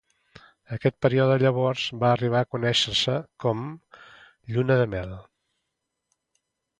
Aquest període llavors va arribar a conèixer-se com a Lluna de Mel.